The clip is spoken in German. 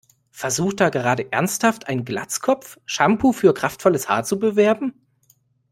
Versucht da gerade ernsthaft ein Glatzkopf, Shampoo für kraftvolles Haar zu bewerben?